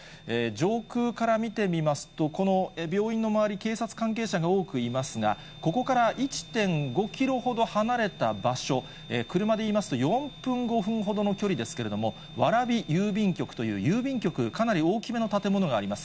上空から見てみますと、この病院の周り、警察関係者が多くいますが、ここから１．５キロほど離れた場所、車でいいますと４分、５分ほどの距離ですけれども、蕨郵便局という郵便局、かなり大きめの建物があります。